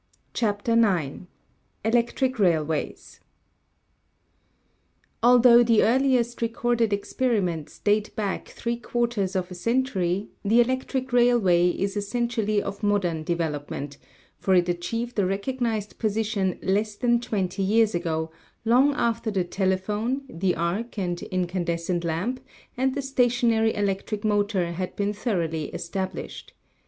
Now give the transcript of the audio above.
CHAPTER IX ELECTRIC RAILWAYS Altho the earliest recorded experiments date back three quarters of a century, the electric railway is essen tially of modern development, for it achieved a recognised position less than twenty years ago, long after the tele phone, the arc and incandescent lamp, and the stationary electric motor had been thoroly established.